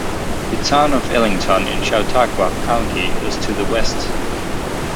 The town of Ellington in Chautauqua County is to the west.